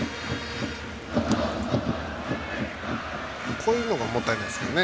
こういうのがもったいないですね。